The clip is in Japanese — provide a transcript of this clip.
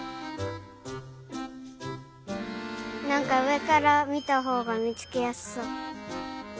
なんかうえからみたほうがみつけやすそう。